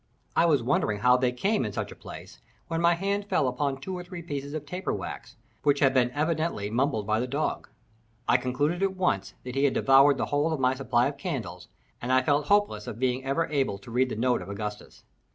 I was wondering how they came in such a place, when my hand fell upon two or three pieces of taper wax, which had been evidently mumbled by the dog. I concluded at once that he had devoured the whole of my supply of candles, and I felt hopeless of being ever able to read the note of Augustus.